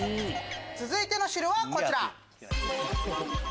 続いての汁はこちら。